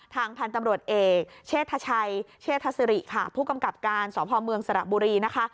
ทางผ่านตำรวจเอกเชธาชัยเชธาศิริผู้กำกับการสภะวมืองสระบุรี